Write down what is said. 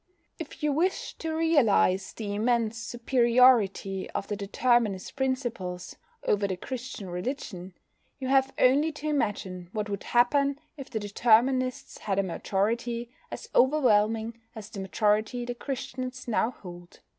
If you wish to realise the immense superiority of the Determinist principles over the Christian religion, you have only to imagine what would happen if the Determinists had a majority as overwhelming as the majority the Christians now hold.